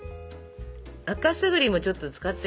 赤すぐりもちょっと使って。